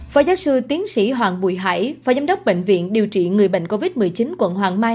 phó giáo sư tiến sĩ hoàng bùi hải phó giám đốc bệnh viện điều trị người bệnh covid một mươi chín quận hoàng mai